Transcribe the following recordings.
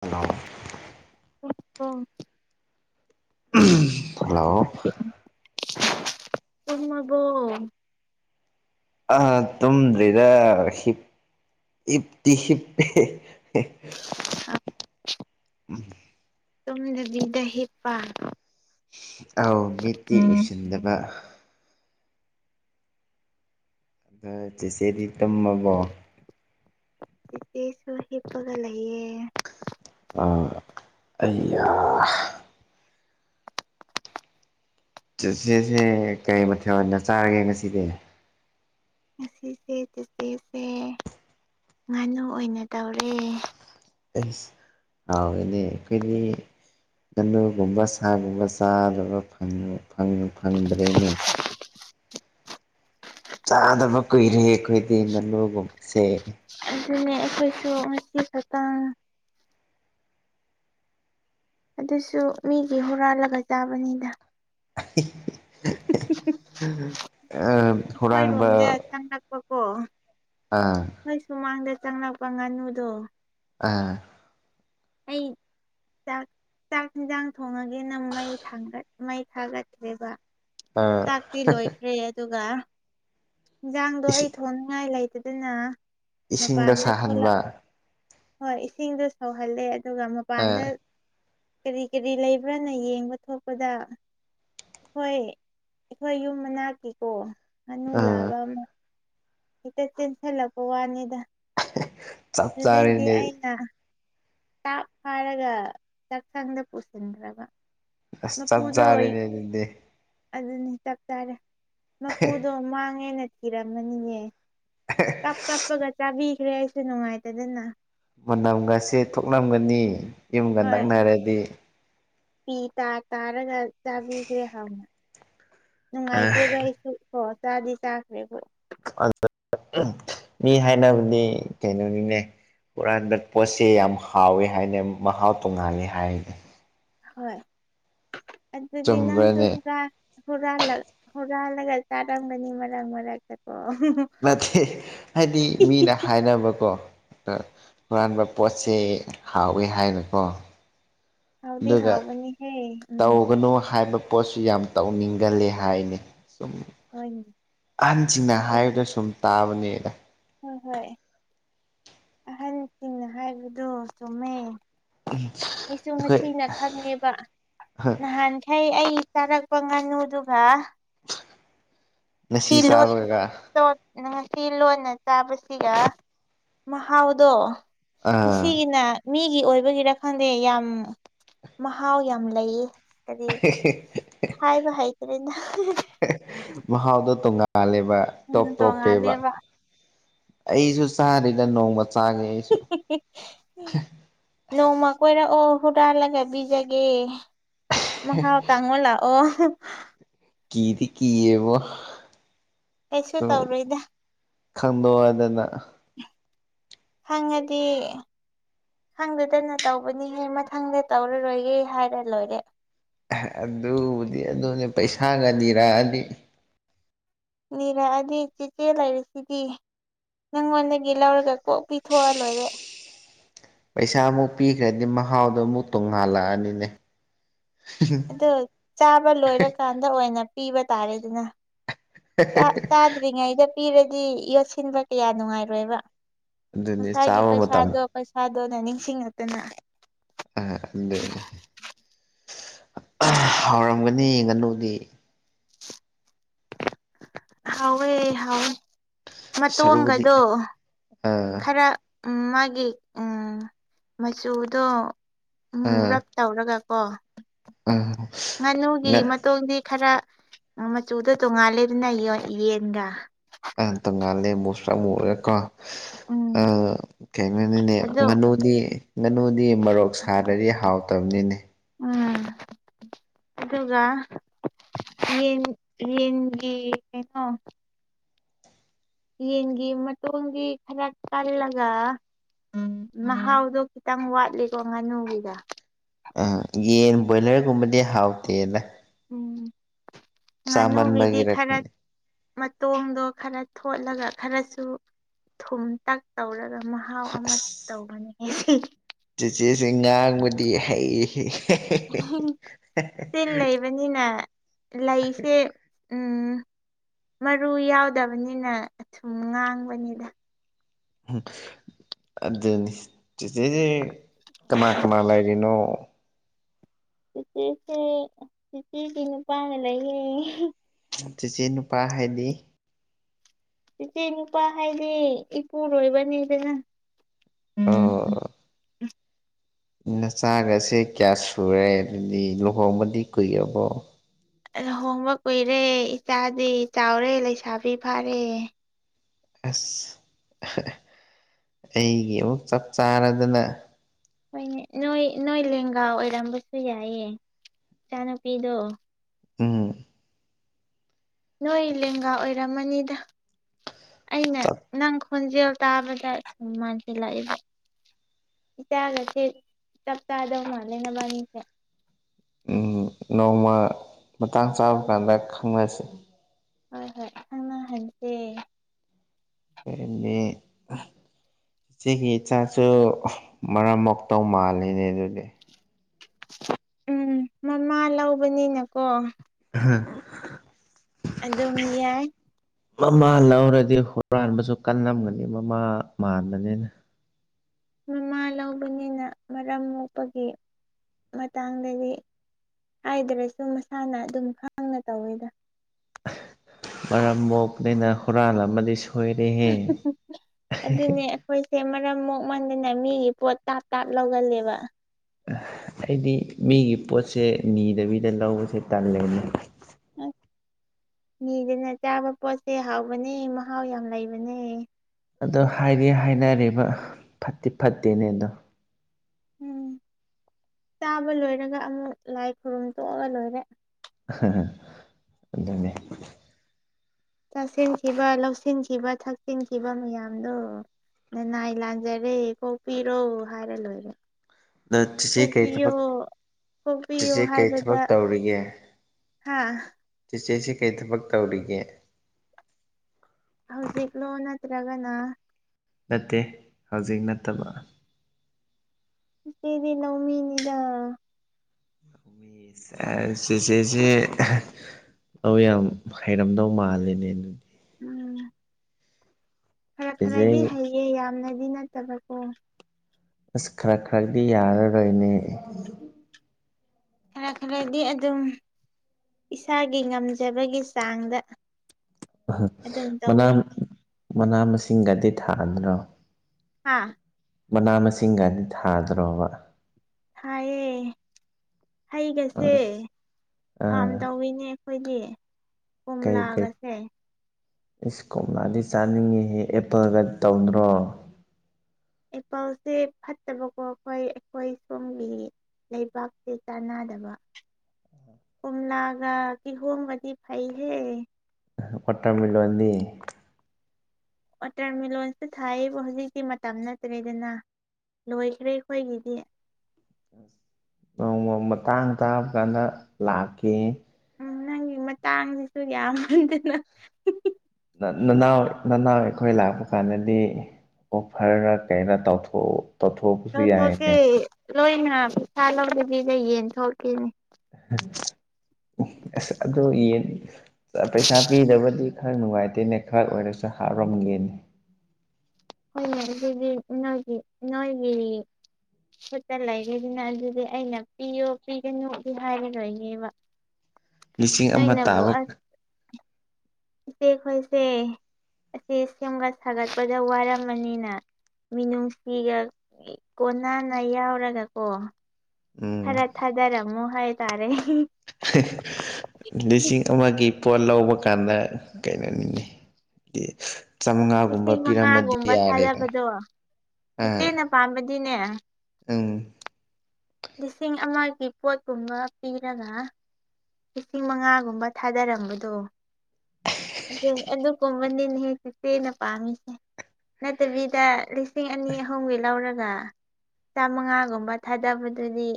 hello [unintelligible] hello ꯑꯃꯕꯣ ꯑ ꯇꯨꯝꯗ꯭ꯔꯤꯗ ꯍꯞ ꯏꯞꯇꯤ ꯍꯞ ꯇꯝꯗꯕꯤꯗ ꯍꯦꯞꯄ ꯑꯥꯎ ꯃꯤꯠꯇꯤ ꯎꯁꯤꯟꯗꯕ ꯑꯗ ꯆꯦꯆꯦꯗꯤ ꯇꯨꯝꯃꯕꯣ ꯁꯦꯁꯨ ꯍꯞꯄꯒ ꯂꯌꯦꯦ ꯑꯩ ꯆꯆꯦꯁꯦ ꯀꯔꯤ ꯃꯊꯦꯜ ꯑꯣꯏꯅ ꯆꯥꯔꯒꯦ ꯉꯁꯤꯗꯤ ꯉꯁꯤꯁꯦ ꯆꯤꯆꯦꯁꯦ ꯉꯥꯅꯨ ꯑꯣꯏꯅ ꯇꯧꯔꯦ ꯑꯦꯅꯦ ꯀꯅꯤ ꯉꯥꯅꯨꯒꯨꯝꯕ ꯁꯥꯒꯨꯝꯕ ꯆꯥꯗꯕ ꯐꯪꯗ꯭ꯔꯦꯅꯦ [unintelligible] ꯆꯥꯗꯕ ꯀꯨꯏꯔꯦ ꯑꯩꯈꯣꯏꯗꯤ ꯉꯂꯨꯒꯨꯝꯕꯁꯦ ꯑꯗꯨꯅꯦ ꯑꯩꯈꯣꯏꯁꯨ ꯉꯁꯤꯤ ꯈꯇꯥꯡ ꯑꯗꯨꯁꯨ ꯃꯤꯒꯤ ꯍꯨꯔꯥꯜꯂꯒ ꯆꯥꯕꯅꯤꯗ ꯑ ꯍꯨꯔꯥꯟꯕꯥꯟꯕ ꯆꯪ ꯑꯣ ꯑꯥ ꯑꯩꯈꯣꯏ ꯁꯨꯃꯥꯡꯗ ꯆꯪꯂꯛꯄ ꯉꯥꯅꯨꯗꯣ ꯑ ꯑꯩ ꯆꯥꯛ ꯆꯥꯛ ꯌꯦꯟꯖꯥꯡ ꯊꯣꯡꯉꯒꯦ ꯅꯪ ꯃꯩ ꯊꯥꯡꯒꯠ ꯃꯩ ꯊꯥꯒꯠꯈ꯭ꯔꯦꯕ ꯑꯥ ꯇꯥꯛꯇꯤ ꯂꯣꯏꯈ꯭ꯔꯦ ꯑꯗꯨꯒ ꯌꯦꯟꯁꯥꯡꯗꯣ ꯏꯁ ꯑꯩ ꯊꯣꯡꯅꯤꯡꯉꯥꯏ ꯂꯩꯇꯗꯅ ꯏꯁꯤꯡꯗ ꯃꯄꯥꯟꯗ ꯊꯣꯛꯂꯛ ꯁꯥꯍꯟꯕ ꯍꯣꯏ ꯏꯁꯤꯡꯗ ꯁꯧꯍꯜꯂꯦ ꯑꯗꯨꯒ ꯃꯄꯥꯟꯗ ꯑꯥ ꯀꯔꯤ ꯀꯔꯤ ꯂꯩꯕ꯭ꯔꯅ ꯌꯦꯡꯕ ꯊꯣꯛꯄꯗ ꯑꯩꯈꯣꯏ ꯑꯩꯈꯣꯏ ꯌꯨꯝ ꯃꯅꯥꯛꯀꯤꯀꯣ ꯉꯥꯅꯨ ꯑꯥ ꯂꯥꯕ ꯑꯃ ꯍꯦꯛꯇ ꯆꯦꯟꯁꯤꯜꯂꯛꯄ ꯋꯥꯅꯤꯗ ꯆꯞ ꯑꯗꯨꯗꯩꯗꯤ ꯆꯥꯔꯦꯅꯦ ꯑꯩꯅ ꯇꯥꯞ ꯐꯥꯔꯒ ꯆꯥꯛꯁꯪꯗ ꯄꯨꯁꯤꯟꯈ꯭ꯔꯕ ꯑꯁ ꯆꯞ ꯃꯄꯨꯗꯣ ꯆꯥꯔꯦꯅꯦ ꯑꯗꯨꯗꯤ ꯑꯗꯨꯅꯤ ꯆꯥꯛꯇꯥꯔꯦ ꯃꯄꯨꯗꯣ ꯃꯥꯡꯉꯦꯅ ꯀꯤꯔꯝꯃꯅꯤꯅꯦ ꯀꯞ ꯀꯞꯄꯒ ꯆꯥꯕꯤꯈ꯭ꯔꯦ ꯑꯩꯁꯨ ꯅꯨꯡꯉꯥꯏꯇꯗꯅ ꯃꯅꯝꯒꯁꯦ ꯊꯣꯛꯂꯝꯒꯅꯤ ꯌꯨꯝꯒ ꯍꯣꯏ ꯅꯛꯅꯔꯗꯤ ꯄꯤ ꯇꯥ ꯇꯥꯔꯒ ꯆꯥꯕꯤꯈꯦ ꯍꯥꯎꯅ ꯑꯥ ꯅꯨꯡꯉꯥꯏꯇꯦꯕ ꯑꯩꯁꯨ ꯍ ꯆꯗꯤ ꯆꯥꯈꯦ ꯑꯗꯨ ꯃꯤ ꯍꯥꯏꯅꯕꯗꯤ ꯀꯩꯅꯣꯅꯤꯅꯦ ꯍꯨꯔꯥꯟꯕ ꯄꯣꯠꯁꯦ ꯌꯥꯝ ꯍꯥꯎꯏ ꯍꯥꯏꯅ ꯃꯍꯥꯎ ꯇꯣꯡꯉꯥꯜꯂꯤ ꯍꯥꯏꯅ ꯍꯣꯏ ꯑꯗꯨꯗꯤ ꯂꯪꯁꯨ ꯆꯨꯝꯕ꯭ꯔꯅꯦ ꯈ ꯍꯨꯔꯥꯜꯂ ꯍꯨꯔꯥꯜꯂꯒ ꯆꯥꯔꯪꯒꯅꯤ ꯃꯔꯛ ꯃꯔꯛ ꯆꯀꯣ ꯅꯠꯇꯦ ꯍꯥꯏꯗꯤ ꯃꯤꯅ ꯍꯥꯏꯅꯕꯀꯣ ꯑ ꯍꯨꯔꯥꯟꯕ ꯄꯣꯠꯁꯦ ꯍꯥꯎꯏꯤ ꯍꯥꯏꯅꯀꯣ ꯍꯥꯎꯗꯤ ꯑꯗꯨꯒ ꯍꯥꯎꯕꯅꯤꯍꯦ ꯎꯝ ꯇꯧꯒꯅꯨ ꯍꯥꯏꯕ ꯄꯣꯠꯁꯨ ꯌꯥꯝ ꯇꯧꯅꯤꯡꯒꯂꯦ ꯍꯥꯏꯅꯤ ꯁꯨꯝ ꯍꯣꯏꯅꯦ ꯑꯍꯟꯁꯤꯡꯅ ꯑꯗꯨꯅꯦ ꯍꯥꯏꯔꯗ ꯁꯨꯝ ꯇꯥꯕꯅꯦꯅ ꯍꯣꯏ ꯍꯣꯏ ꯑꯍꯟꯁꯤꯡꯅ ꯍꯥꯏꯕꯗꯣ ꯆꯨꯝꯃꯦ ꯑꯩꯁꯨ ꯑꯩꯈꯣꯏ ꯉꯅ ꯈꯪꯉꯦꯕ ꯅꯍꯥꯟ ꯍꯩ ꯑꯩ ꯆꯥꯔꯛꯄ ꯉꯥꯅꯨꯗꯨꯒ ꯉꯁꯤ ꯀꯤꯂꯣ ꯆꯥꯕꯒ ꯪ ꯉꯁꯤ ꯂꯣꯟꯅ ꯆꯥꯕꯁꯤꯒ ꯃꯍꯥꯎꯗꯣ ꯑꯥ ꯉꯁꯤꯒꯤꯅ ꯃꯤꯒꯤ ꯑꯣꯏꯕꯒꯤꯔ ꯈꯪꯗꯦ ꯌꯥꯝ ꯃꯍꯥꯎ ꯌꯥꯝ ꯂꯩꯌꯦ ꯀꯔꯤ ꯍꯥꯏꯕ ꯍꯩꯇ꯭ꯔꯦꯅ ꯃꯍꯥꯎꯗꯣ ꯇꯣꯡꯉꯥꯜꯂꯦꯕ ꯌꯥꯝ ꯇꯣꯞ ꯇꯣꯞꯄꯦꯕ ꯇꯣꯡꯉꯥꯜꯂꯦꯕ ꯑꯩꯁꯨ ꯆꯥꯔꯤꯗ ꯅꯣꯡꯃ ꯆꯥꯒꯦ ꯑꯩꯁꯨ ꯅꯣꯡꯃ ꯀꯣꯏꯔꯛꯑꯣ ꯍꯨꯔꯥꯜꯂꯒ ꯄꯤꯖꯒꯦ ꯃꯍ ꯍꯥꯎ ꯀꯥꯃꯣꯂꯥ ꯑꯣ ꯀꯤꯗꯤ ꯀꯤꯌꯦꯦꯕꯣ ꯀꯩꯁꯨ ꯁ ꯇꯧꯔꯣꯏꯗ ꯈꯪꯗꯣꯛ ꯍꯥꯏꯗꯅ ꯈꯪꯉꯗꯤ ꯈꯪꯗꯨꯗꯅ ꯇꯧꯕꯅꯤꯍꯦ ꯃꯊꯪꯗ ꯇꯧꯔꯔꯣꯏꯒꯦ ꯍꯥꯏꯔ ꯂꯣꯏꯔꯦ ꯑꯗꯨꯗꯤ ꯑꯗꯨꯅꯦ ꯄꯩꯁꯥꯒ ꯂꯤꯔꯛꯑꯅꯤ ꯅꯤꯔꯥꯑꯅꯤ ꯏꯆꯦꯆꯦ ꯂꯩꯔꯤꯁꯤꯗꯤ ꯅꯪꯉꯣꯟꯗꯒꯤ ꯂꯧꯔꯒ ꯀꯣꯛ ꯄꯤꯊꯣꯛꯑ ꯂꯣꯏꯔꯣ ꯄꯩꯁꯥ ꯑꯃꯨꯛ ꯄꯤꯈ꯭ꯔꯗꯤ ꯃꯍꯥꯎꯗꯣ ꯑꯃꯨꯛ ꯇꯣꯡꯉꯥꯜꯂꯛꯑꯅꯤꯅꯦ ꯑꯗꯨ ꯆꯥꯕ ꯂꯣꯏꯔꯀꯥꯟꯗ ꯑꯣꯏꯅ ꯄꯤꯕ ꯇꯥꯔꯦ ꯑꯗꯨꯅ ꯆꯥꯗ꯭ꯔꯤꯉꯩꯗ ꯄꯤꯔꯗꯤ ꯌꯣꯠꯁꯤꯟꯕ ꯀꯌꯥ ꯅꯨꯡꯉꯥꯏꯔꯣꯏꯕ ꯑꯗꯨꯅꯤ ꯉꯁꯥꯏꯒꯤ ꯆꯥꯕ ꯃꯇꯝ ꯄꯩꯁꯥꯗꯣ ꯄꯩꯁꯥꯗꯣꯅ ꯅꯤꯡꯁꯤꯡꯉꯛꯇꯅ ꯑ ꯑꯗꯨꯅꯤ ꯍꯥꯎꯔꯝꯒꯅꯤ ꯌꯦ ꯉꯥꯅꯨꯗꯤ ꯍꯋꯦ ꯍꯋꯦ ꯁꯔꯨꯕꯗꯤ ꯑ ꯈꯔ ꯃꯥꯒꯤ ꯎ ꯃꯆꯨꯗꯣ ꯑꯥ ꯃꯨꯔꯛ ꯇꯧꯔꯒ ꯀꯣ ꯑꯥ ꯉꯥꯅꯨꯒꯤ ꯉꯠ ꯃꯇꯣꯗꯤ ꯈꯔ ꯅꯪ ꯃꯆꯨꯗꯣ ꯇꯣꯡꯉꯥꯜꯂꯦꯗꯅ ꯌꯦꯟꯒ ꯑ ꯇꯣꯡꯉꯥꯂꯦ ꯃꯨꯁ꯭ꯔꯥ ꯃꯔꯦꯀꯣ ꯑ ꯎꯝ ꯀꯩꯅꯣꯗꯨꯅꯦ ꯑꯗꯣ ꯉꯥꯅꯨꯗꯤ ꯉꯥꯅꯨꯗꯤ ꯃꯔꯣꯛ ꯁꯥꯗ꯭ꯔꯗꯤ ꯍꯥꯎꯇꯕꯅꯤꯅꯦ ꯎꯝ [unintelligible] ꯑꯗꯨꯒ ꯌꯦꯟ ꯌꯦꯟꯒꯤ ꯀꯩꯅꯣ ꯌꯦꯟꯒꯤ ꯃꯇꯣꯟꯗꯤ ꯈꯔ ꯀꯜꯂꯒ ꯃꯍꯥꯎꯗꯣ ꯈꯤꯇꯪ ꯋꯥꯠꯂꯤꯀꯣ ꯉꯥꯅꯨꯒꯤꯒ ꯑ ꯌꯦꯟ ꯕꯣꯏꯂꯔꯒꯨꯝꯕꯗꯤ ꯍꯥꯎꯇꯦꯗ ꯎꯝ ꯉꯥꯅꯨꯒꯤꯗꯤ ꯆꯥꯃꯟꯕꯒꯤꯔ ꯈꯔ ꯈꯪꯗꯦ ꯃꯇꯣꯡꯗꯣ ꯈꯔ ꯊꯣꯠꯂꯒ ꯈꯔꯁꯨ ꯊꯨꯝ ꯇꯛ ꯇꯧꯔꯒ ꯃꯍꯥꯎ ꯑꯃ ꯇꯧꯕꯅꯦ ꯍꯥꯏ ꯆꯦꯆꯦꯁꯤ ꯉꯥꯡꯕꯗꯤ ꯍꯩꯏꯍꯦ ꯍꯝ ꯆꯤꯟ ꯂꯩꯕꯅꯤꯅ ꯂꯩꯁꯦ ꯎꯝ ꯃꯔꯨ ꯌꯥꯎꯗꯕꯅꯤꯅ ꯁꯨꯝ ꯉꯥꯡꯕꯅꯤꯗ ꯑꯗꯨꯅꯤ ꯆꯤꯆꯦꯁꯤ ꯀꯅꯥ ꯀꯅꯥ ꯂꯩꯔꯤꯅꯣ ꯆꯤꯆꯦꯁꯦ ꯆꯦꯆꯦꯒꯤ ꯅꯨꯄꯥꯅ ꯂꯩꯌꯦ ꯆꯦꯆꯦ ꯅꯨꯄꯥ ꯍꯥꯏꯗꯤ ꯆꯦꯆꯦ ꯅꯨꯄꯥ ꯍꯥꯏꯗꯤ ꯏꯄꯨꯔꯣꯏꯕꯅꯤꯗꯅ ꯑꯣ ꯅꯆꯥꯒꯁꯦ ꯀꯌꯥ ꯁꯨꯔꯦ ꯑꯗꯨꯗꯤ ꯂꯨꯍꯣꯡꯕꯗꯤ ꯀꯨꯏꯔꯕꯣ ꯂꯨꯍꯣꯡꯕ ꯀꯨꯏꯔꯦ ꯏꯆꯥꯗꯤ ꯆꯥꯎꯔꯦ ꯂꯩꯁꯥꯕꯤ ꯐꯥꯔꯦ ꯑꯁ ꯑꯩꯒꯤ ꯑꯃꯨꯛ ꯆꯞ ꯆꯥꯔꯗꯅ ꯍꯣꯏꯅꯦ ꯅꯣꯏ ꯅꯣꯏ ꯂꯦꯡꯒꯥ ꯑꯣꯏꯔꯝꯕꯁꯨ ꯌꯥꯏꯌꯦ ꯏꯆꯥꯅꯨꯄꯤꯗꯣ ꯎꯝ ꯅꯣꯏ ꯂꯦꯡꯒꯥ ꯑꯣꯏꯔꯝꯃꯅꯤꯗ ꯑꯩꯅ ꯆꯞ ꯅꯪ ꯈꯣꯟꯖꯦꯜ ꯇꯥꯕꯗ ꯁꯨꯝ ꯃꯥꯟꯁꯤꯜꯂꯛꯑꯦꯕꯣ ꯏꯆꯥꯒꯁꯦ ꯆꯞ ꯆꯥꯗꯧ ꯃꯥꯜꯂꯦ ꯅꯕꯥꯅꯤꯁꯦ ꯎꯝ ꯅꯣꯡꯃ ꯃꯇꯥꯡ ꯆꯥꯕ ꯀꯥꯟꯗ ꯈꯪꯅꯁꯤ ꯍꯣꯏ ꯍꯣꯏ ꯈꯪꯅ ꯍꯟ [unintelligible] [unintelligible] ꯏꯆꯦꯒꯤ ꯏꯆꯥꯁꯨ ꯃꯔꯝ ꯃꯣꯛꯇꯧ ꯃꯥꯜꯂꯤꯅꯦ ꯑꯗꯨꯗꯤ ꯎꯝ ꯃꯃꯥ ꯂꯧꯕꯅꯤꯅꯀꯣ ꯑꯍ ꯑꯗꯨꯝ ꯌꯥꯏ ꯃꯃꯥ ꯂꯧꯔꯗꯤ ꯍꯨꯔꯥꯟꯕꯁꯨ ꯀꯜꯂꯝꯒꯅꯤ ꯃꯃꯥ ꯃꯥꯟꯕꯅꯤꯅ ꯃꯃꯥ ꯂꯧꯕꯅꯤꯅ ꯃꯔꯝ ꯃꯣꯛꯄꯒꯤ ꯃꯇꯥꯡꯗꯗꯤ ꯍꯥꯏꯗ꯭ꯔꯁꯨ ꯃꯁꯥꯅ ꯑꯗꯨꯝ ꯈꯪꯅ ꯇꯧꯋꯦꯗ ꯃꯔꯝ ꯃꯣꯛꯄꯅꯤꯅ ꯍꯨꯔꯥꯥꯟꯂꯝꯃꯗꯤ ꯁꯣꯏ ꯁꯣꯏꯔꯦꯍꯦ ꯑꯗꯨꯅꯦ ꯑꯩꯈꯣꯏꯁꯦ ꯃꯔꯝ ꯃꯣꯛꯃꯟꯗꯅ ꯃꯤꯒꯤ ꯄꯣꯠ ꯇꯥꯞ ꯇꯥꯞ ꯂꯧꯒꯜꯂꯦꯕ ꯑꯩꯗꯤ ꯃꯤꯒꯤ ꯄꯣꯠꯁꯦ ꯅꯤꯗꯕꯤꯗ ꯂꯧꯕꯁꯦ ꯇꯜꯂꯦ ꯑꯁ ꯅꯤꯗꯅ ꯆꯥꯕ ꯄꯣꯠꯁꯦ ꯍꯥꯎꯕꯅꯦ ꯃꯍꯥꯎ ꯌꯥꯝ ꯂꯩꯕꯅꯦ ꯑꯗꯣ ꯍꯥꯏꯗꯤ ꯍꯥꯏꯅꯔꯦꯕ ꯐꯠꯇꯤ ꯐꯠꯇꯦꯅꯦ ꯑꯗꯣ ꯎꯝ ꯆꯥꯕ ꯂꯣꯏꯔꯒ ꯑꯃꯨꯛ ꯂꯥꯏ ꯈꯨꯔꯨꯝ ꯊꯣꯛꯑꯒ ꯂꯣꯏꯔꯦ ꯑꯍ ꯍ ꯑꯗꯨꯅꯦ ꯆꯥꯁꯤꯟꯈꯤꯕ ꯂꯧꯁꯤꯟꯈꯤꯕ ꯊꯛꯆꯤꯟꯈꯤꯕ ꯃꯌꯥꯝꯗꯣ ꯅꯅꯥꯏ ꯂꯥꯟꯖꯔꯦ ꯀꯣꯛꯄꯤꯔꯣ ꯍꯥꯏꯔ ꯂꯣꯏꯔꯦ ꯑꯗꯣ ꯆꯤꯆꯦ ꯀꯩ ꯀꯣꯛꯄꯤꯌꯣ ꯊꯕꯛ ꯀꯣꯛꯄꯤꯌꯣ ꯆꯤꯆꯦ ꯀꯩ ꯍꯥꯏꯕꯗ ꯊꯕꯛ ꯍꯥꯥ ꯆꯦꯆꯦꯁꯤ ꯀꯩ ꯊꯕꯛ ꯇꯧꯔꯤꯒꯦ ꯂꯣ ꯅꯠꯇ꯭ꯔꯒꯅꯥ ꯅꯠꯇꯦ ꯍꯧꯖꯤꯛ ꯅꯠꯇꯕ ꯏꯆꯦꯗꯤ ꯂꯧꯃꯤꯅꯤꯗ ꯂꯧꯃꯤ ꯁꯦꯁ ꯆꯦꯆꯦꯁꯦ ꯂꯧ ꯌꯥꯝ ꯍꯩꯔꯝꯗꯧ ꯃꯥꯜꯂꯦꯅꯦ ꯑꯗꯨꯗꯤ ꯎꯝ ꯈꯔ ꯈꯔꯗꯤ ꯆꯦꯆꯦ ꯍꯩꯌꯦ ꯌꯥꯝꯅꯗꯤ ꯅꯠꯇꯕꯀꯣ ꯑꯁ ꯈꯔ ꯈꯔꯗꯤ ꯌꯥꯔꯔꯣꯏꯅꯦ ꯈꯔ ꯈꯔꯗꯤ ꯑꯗꯨꯝ ꯏꯁꯥꯒꯤ ꯉꯝꯖꯕꯒꯤ ꯆꯥꯡꯗ ꯑꯗꯨꯝ [unintelligible] ꯃꯅꯥ ꯇꯧꯋꯤ ꯃꯅꯥ ꯃꯁꯤꯡꯒꯗꯤ ꯊꯥꯗ꯭ꯔꯣ ꯍꯥꯥ ꯃꯅꯥ ꯃꯁꯤꯡꯒꯗꯤ ꯊꯥꯗ꯭ꯔꯣꯕ ꯍꯥꯏꯌꯦ ꯍꯩꯒꯁꯦ ꯑꯥ ꯐꯥꯝ ꯑꯥ ꯇꯧꯋꯤꯅꯦ ꯑꯩꯈꯣꯏꯗꯤ ꯀꯩ ꯀꯩ ꯀꯣꯝꯂꯥꯒꯁꯦ ꯑꯩꯁ ꯀꯣꯝꯂꯥꯗꯤ ꯆꯥꯅꯤꯡꯉꯦꯍꯦ ꯑꯦꯄꯜꯒ ꯇꯧꯗ꯭ꯔꯣ ꯑꯄꯜꯁꯦ ꯐꯠꯇꯕꯀꯣ ꯑꯩꯈꯣꯏ ꯑꯩꯈꯣꯏ ꯁꯣꯝꯒꯤ ꯂꯩꯕꯥꯛꯁꯦ ꯆꯥꯟꯅꯗꯕ ꯀꯨꯝꯂꯥꯒ ꯀꯤꯍꯣꯝꯒꯗꯤ ꯐꯩꯍꯦ ꯑ ꯋꯥꯇꯔꯃꯤꯂꯣꯟꯗꯤ ꯋꯥꯇꯔꯃꯤꯂꯣꯟꯇꯤ ꯊꯥꯏꯌꯦꯕ ꯍꯧꯖꯤꯛꯇꯤ ꯃꯇꯝ ꯅꯠꯇ꯭ꯔꯦꯗꯅ ꯂꯣꯏꯈ꯭ꯔꯦ ꯑꯩꯈꯣꯏꯒꯤꯗꯤ ꯅꯣꯡꯃ ꯃꯇꯥꯡ ꯆꯥꯕ ꯀꯥꯟꯗ ꯂꯥꯛꯀꯦ ꯎꯝ ꯅꯪꯒꯤ ꯃꯇꯥꯡꯁꯤꯁꯨ ꯌꯥꯝ ꯃꯟꯗꯅ ꯅꯅꯥꯎ ꯅꯅꯥꯎ ꯑꯩꯈꯣꯏ ꯂꯥꯛꯄ ꯀꯥꯟꯗꯗꯤ ꯑꯣꯐꯔꯔ ꯀꯩꯅꯣ ꯇꯧꯊꯣꯛ ꯇꯧꯊꯣꯛꯄꯁꯨ ꯌꯥꯏꯅꯦ ꯂꯧꯊꯣꯛꯀꯦ ꯂꯣꯏꯅ ꯄꯩꯁꯥ ꯂꯧꯗꯕꯤꯗ ꯌꯦꯟ ꯊꯣꯛꯀꯦꯅꯦ [unintelligible] ꯑꯁ ꯑꯗꯨ ꯌꯦꯟ ꯄꯩꯁꯥ ꯄꯤꯗꯕꯗꯤ ꯈꯔ ꯅꯨꯡꯉꯥꯏꯇꯦꯅꯦ ꯈꯔ ꯑꯣꯏꯔꯁꯨ ꯍꯥꯞꯂꯝꯒꯦꯅꯦ ꯍꯣꯏꯅꯦ ꯑꯗꯨꯗꯩꯗꯤ ꯅꯣꯏꯒꯤ ꯅꯣꯏꯒꯤ ꯈꯨꯠꯇ ꯂꯩꯔꯦꯗꯅ ꯑꯗꯨꯗꯤ ꯑꯩꯅ ꯄꯤꯌꯣ ꯄꯤꯒꯅꯨ ꯑꯗꯨ ꯍꯥꯏꯔꯔꯣꯏꯒꯦꯕ ꯂꯤꯁꯤꯡ ꯑꯃ ꯅꯣꯏꯅꯕꯨ ꯇꯥꯕ ꯑꯁ ꯏꯆꯦ ꯈꯣꯏꯁꯦ ꯑꯁꯤ ꯁꯦꯝꯒꯠ ꯁꯥꯒꯠꯄꯗ ꯋꯥꯔꯝꯃꯅꯤꯅ ꯃꯤꯅꯨꯡꯁꯤꯒ ꯀꯣꯟꯅꯥꯅ ꯌꯥꯎꯔꯒ ꯀꯣ ꯎꯝ ꯈꯔ ꯊꯥꯗꯔꯝꯃꯣ ꯍꯥꯏꯇꯥꯔꯦ [unintelligible] ꯂꯤꯁꯤꯡ ꯑꯃꯒꯤ ꯄꯣꯠ ꯂꯧꯕ ꯀꯥꯟꯗ ꯀꯩꯅꯣꯅꯤꯅꯦ ꯆꯥꯝꯃꯉꯥꯒꯨꯝꯕ ꯂꯤꯁꯤꯡ ꯄꯤꯔꯝꯃꯗꯤ ꯃꯉꯥꯒꯨꯝꯕ ꯌꯥꯔꯦꯗ ꯑ ꯄꯥꯟꯕꯗꯤꯅꯦ ꯎꯝ ꯂꯤꯁꯤꯡ ꯑꯃꯒꯤ ꯄꯣꯠꯀꯨꯝꯕ ꯄꯤꯔꯒ ꯂꯤꯁꯤꯡ ꯃꯉꯥꯒꯨꯝꯕ ꯊꯥꯗꯔꯝꯕꯗꯣ ꯑꯗꯨ ꯑꯗꯨꯒꯨꯝꯕꯅꯤꯅꯦ ꯍꯦꯛ ꯆꯦꯆꯦꯅ ꯄꯥꯝꯃꯤꯁꯦ ꯅꯠꯇꯕꯤꯗ ꯂꯤꯁꯤꯡ ꯑꯅꯤ ꯑꯍꯨꯝꯒꯤ ꯂꯧꯔꯒ ꯆꯥꯝꯉꯥꯒꯨꯝꯕ ꯊꯥꯗꯕꯗꯨꯗꯤ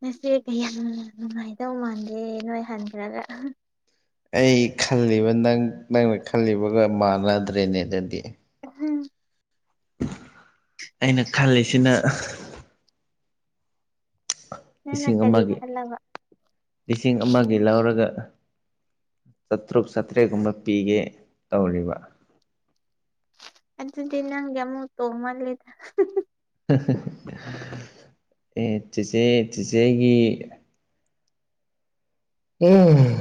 ꯅꯆꯦ ꯀꯌꯥ ꯅꯨꯡꯉꯥꯏꯗꯧ ꯃꯥꯟꯗꯦ ꯅꯣꯏ ꯍꯟꯈ꯭ꯔꯒ ꯑꯩ ꯈꯜꯂꯤꯕ ꯅꯪ ꯅꯪꯅ ꯈꯜꯂꯤꯕꯒ ꯃꯥꯟꯅꯗ꯭ꯔꯦꯅꯦ ꯑꯗꯨꯗꯤ ꯎꯝ ꯑꯩꯅ ꯈꯜꯂꯤꯁꯤꯅ ꯅꯪꯅ ꯂꯤꯁꯤꯡ ꯀꯔꯤ ꯑꯃꯒꯤ ꯈꯜꯂꯕ ꯂꯤꯁꯤꯡ ꯑꯃꯒꯤ ꯂꯧꯔꯒ ꯆꯥꯇ꯭ꯔꯨꯛ ꯆꯥꯇ꯭ꯔꯦꯠꯀꯨꯝꯕ ꯄꯤꯒꯦ ꯇꯧꯔꯤꯕ ꯑꯗꯨꯗꯤ ꯅꯪ ꯑꯃꯨꯛ ꯇꯣꯡꯃꯜꯂꯦꯗ ꯑꯦ ꯆꯤꯆꯦ ꯆꯤꯆꯦꯒꯤ ꯎꯝ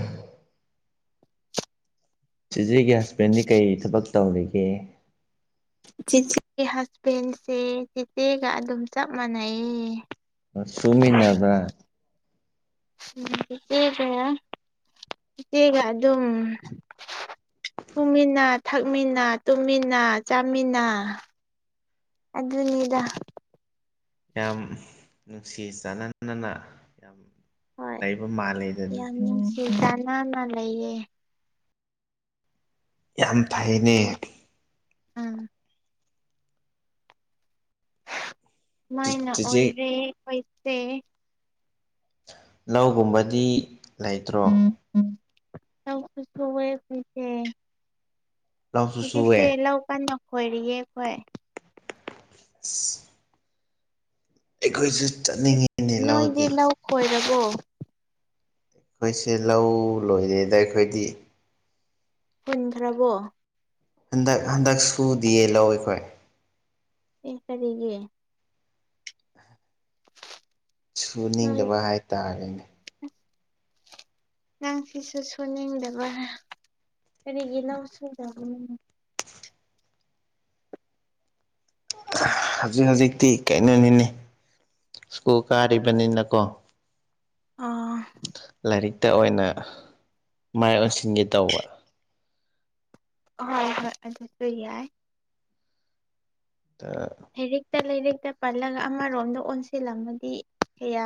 ꯆꯤꯆꯦꯒꯤ ꯍꯁꯕꯦꯟꯗꯤ ꯀꯔꯤ ꯊꯕꯛ ꯇꯧꯔꯤꯒꯦ ꯆꯤꯆꯦꯒꯤ ꯍꯖꯕꯦꯟꯁꯦ ꯆꯤꯆꯦꯒ ꯑꯗꯨꯝ ꯆꯞ ꯃꯥꯟꯅꯩ ꯌꯦ ꯁꯨꯃꯤꯟꯕ꯭ꯔꯥ ꯎꯝ ꯆꯦꯆꯦꯒ ꯆꯦꯆꯦꯒ ꯑꯗꯨꯝ ꯇꯨꯝꯃꯤꯟꯅ ꯊꯛꯃꯤꯟꯅ ꯇꯨꯝꯃꯤꯟꯅ ꯆꯥꯃꯤꯟꯅ ꯑꯗꯨꯅꯤꯗꯥ ꯌꯥꯝ ꯅꯨꯡꯁꯤ ꯆꯥꯟꯅꯅꯅ ꯌꯥꯝ ꯍꯣꯏ ꯂꯩꯕ ꯃꯥꯜꯂꯦꯗ ꯌꯥꯝ ꯑꯗꯨꯗꯤ ꯅꯨꯡꯁꯤ [unintelligible] ꯆꯥꯟꯅꯥꯅ ꯂꯩꯌꯦ ꯌꯥꯝ ꯐꯩꯅꯦ ꯎꯝ ꯃꯥꯏꯅ ꯆꯦꯆꯦ ꯑꯣꯏꯔꯦ ꯑꯣꯏꯇꯦ ꯂꯧꯒꯨꯝꯕꯗꯤ ꯂꯩꯇ꯭ꯔꯣ ꯁ ꯑꯣꯏꯣꯏ ꯐꯦ ꯂꯧꯁꯨ ꯁꯨꯑꯦ ꯍꯧꯖꯤꯛꯁꯦ ꯂꯧ ꯀꯥꯟ ꯈꯣꯏꯔꯤꯌꯦ ꯑꯩꯈꯣꯏ [unintelligible] ꯑꯩꯈꯣꯏꯁꯦ ꯅꯣꯏꯗꯤ ꯂꯧ ꯈꯣꯏꯔꯕꯣ ꯑꯩꯈꯣꯏꯁꯦ ꯂꯧ ꯂꯣꯏꯔꯤꯩꯗ ꯑꯩꯈꯣꯏꯗꯤ ꯄꯨꯟꯈ꯭ꯔꯕꯣ ꯍꯟꯗꯛ ꯍꯟꯗꯛ ꯁꯨꯗꯤꯌꯦ ꯂꯧ ꯑꯩꯈꯣꯏ ꯑꯦ ꯀꯔꯤꯒꯤ ꯅꯣꯏ ꯁꯨꯅꯤꯡꯗꯕ ꯍꯥꯏꯇꯥꯔꯦꯅꯦ ꯅꯪ ꯁꯤꯁꯨ ꯁꯣꯟꯅꯤꯡꯗꯕ ꯀꯔꯤꯒꯤ ꯂꯥꯎ ꯁꯨꯖꯕꯅꯤ ꯍꯧꯖꯤꯛ ꯍꯧꯖꯤꯛꯇꯤ ꯀꯩꯅꯣꯅꯤꯅꯦ ꯁ꯭ꯀꯨꯜ ꯀꯥꯔꯤꯕꯅꯤꯅꯀꯣ ꯑꯥ ꯂꯥꯏꯔꯤꯛꯇ ꯑꯣꯏꯅ ꯃꯥꯏ ꯑꯣꯟꯁꯤꯟꯒꯦ ꯇꯧꯕ ꯍꯣꯏ ꯍꯣꯏ ꯑꯗꯨꯁꯨ ꯌꯥꯏ ꯇ ꯍꯔꯛꯇ ꯂꯩꯔꯛꯇ ꯄꯜꯂꯒ ꯑꯃꯔꯣꯝꯗ ꯑꯣꯟꯁꯤꯜꯂꯝꯃ ꯀꯌꯥ